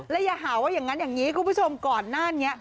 และอย่าหาว่าอย่างนั้นอย่างนี้คุณผู้ชมก่อนหน้านี้